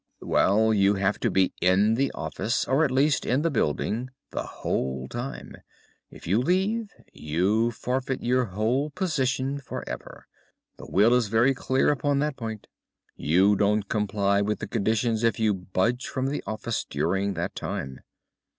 "'Well, you have to be in the office, or at least in the building, the whole time. If you leave, you forfeit your whole position forever. The will is very clear upon that point. You don't comply with the conditions if you budge from the office during that time.